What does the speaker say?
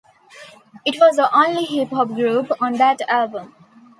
It was the only hip hop group on that album.